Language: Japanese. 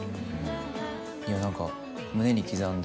いや何か胸に刻んで。